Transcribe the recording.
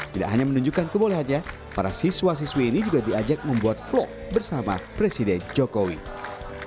tidak hanya menunjukkan kebolehannya para siswa siswi ini juga diajak membuat vlog bersama presiden jokowi